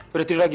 udah tidur lagi